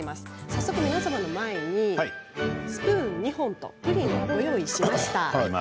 早速、皆様の前にスプーン２本とプリンをご用意しました。